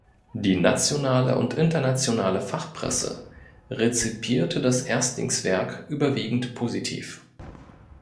Die nationale und internationale Fachpresse rezipierte das Erstlingswerk überwiegend positiv.